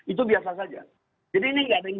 itu biasa saja jadi ini nggak ada yang